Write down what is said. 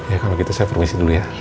kalau begitu saya permisi dulu ya